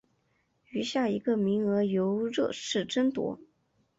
余下一个名额由热刺争夺。